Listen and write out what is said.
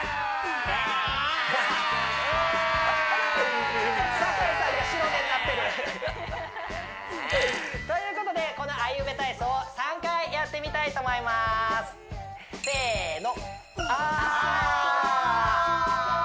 アハハッ酒井さんが白目になってるということでこのあいうべ体操を３回やってみたいと思いますせの！